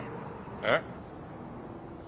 えっ？